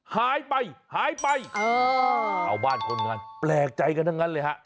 หายไปเออข้าวบ้านคนหนึ่งก็แปลกใจกันเท่านั้นเลย